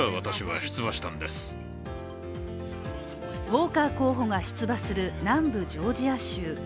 ウォーカー候補が出馬する南部ジョージア州。